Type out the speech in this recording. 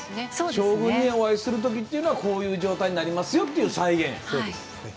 将軍にお会いするときというのはこういう状態になりますよっていう再現。